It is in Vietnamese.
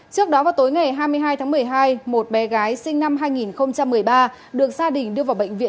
trước đó vào tối ngày hai mươi hai tháng một mươi hai một bé gái sinh năm hai nghìn một mươi ba được gia đình đưa vào bệnh viện